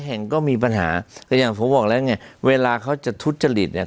แห่งก็มีปัญหาแต่อย่างผมบอกแล้วไงเวลาเขาจะทุจริตเนี่ย